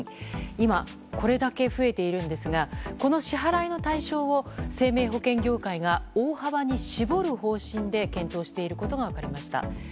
今、これだけ増えているんですがこの支払いの対象を生命保険業界が大幅に絞る方針で検討していることが分かりました。